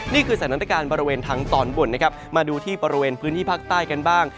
นี่คือสถานการณ์บริเวณทางตอนบนนะครับมาดูที่บริเวณพื้นที่ภาคใต้กันบ้าง